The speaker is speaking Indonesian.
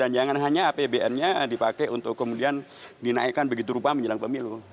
jangan hanya apbn nya dipakai untuk kemudian dinaikkan begitu rupa menjelang pemilu